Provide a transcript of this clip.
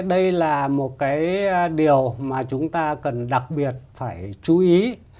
đây là một cái điều mà chúng ta cần đặc biệt phải chú ý